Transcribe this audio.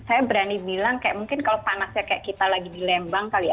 saya berani bilang kayak mungkin kalau panasnya kayak kita lagi di lembang kali ya